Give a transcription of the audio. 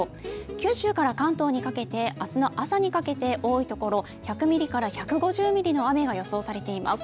九州から関東にかけて明日の朝にかけて多いところ、１００ミリから１５０ミリの雨が予想されています。